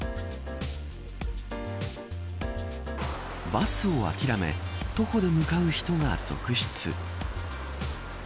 バスを諦め徒歩で向かう人が続出。